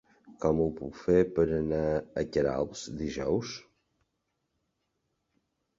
Com ho puc fer per anar a Queralbs dijous?